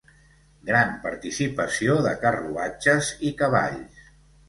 Gran participació de carruatges i cavalls.